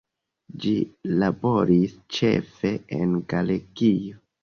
Ĝi laboris ĉefe en Galegio.